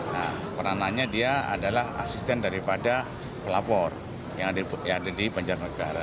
maksudnya dia adalah asisten daripada pelapor yang ada di penjar negara